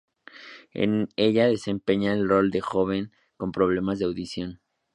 En ella desempeña el rol de un joven con problemas de audición.